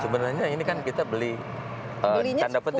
sebenarnya ini kan kita beli tanda petik